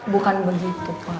bukan begitu pak